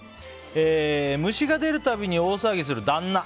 虫が出る度に大騒ぎする旦那。